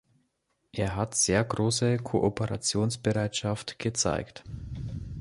Er hat sehr große Kooperationsbereitschaft gezeigt.